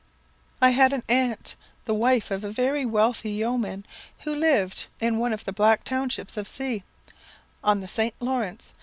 "I had an aunt, the wife of a very wealthy yeoman, who lived in one of the back townships of C , on the St. Lawrence.